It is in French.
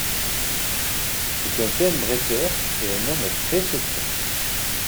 C'est un fin bretteur et un homme très secret.